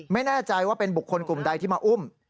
ไม่แน่ใจว่าเป็นบุคคลกลุ่มใดที่มาอุ้ม